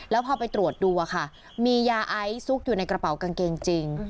แล้วพอไปตรวจดูมียาไอซุกอยู่ในกระเป๋ากางเกงจริง